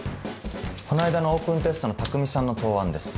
この間のオープンテストの匠さんの答案です。